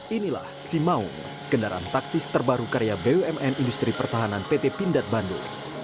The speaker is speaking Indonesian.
inilah si maung kendaraan taktis terbaru karya bumn industri pertahanan pt pindad bandung